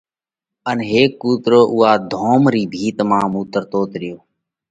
ان هيڪ ڪُوترو اُوئا ڌوم رِي ڀِت مانه مُوترتوت ريو۔